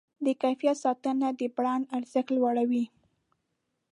د کیفیت ساتنه د برانډ ارزښت لوړوي.